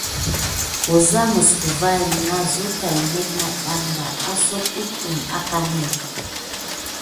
Wəza məs kəvayiŋ na zəw tay nék dəɗəne ɓa, amsak aɗum akani.